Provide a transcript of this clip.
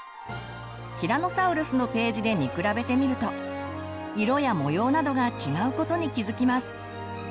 ティラノサウルのページで見比べてみると色や模様などが違うことに気付きます。